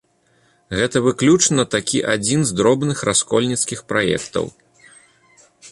Гэта выключна такі адзін з дробных раскольніцкіх праектаў.